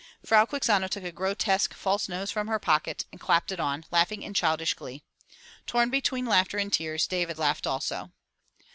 Frau Quixano took a grotesque false nose from her pocket and clapped it on, laughing in childish glee. Torn between laughter and tears David laughed also.